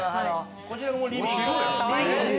こちらがリビングで。